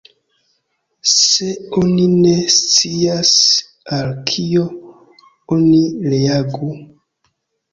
Se oni ne scias al kio oni reagu?